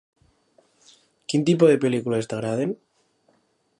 Quin tipus de pel·lícules t'agraden?